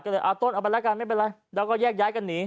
ก็เลยเอาต้นเอาไปแล้วกันไม่เป็นไรแล้วก็แยกย้ายกันหนี